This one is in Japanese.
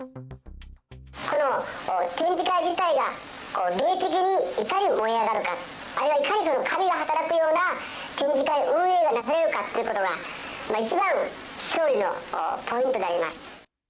この展示会自体が霊的に、いかに燃え上がるか、あるいはいかに神が働くような展示会運営がなされるかっていうことが一番、勝利のポイントであります。